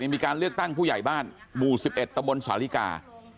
ยังมีการเลือกตั้งผู้ใหญ่บ้านบ๑๑ตศาลิกา